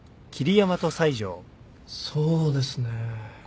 そうですね。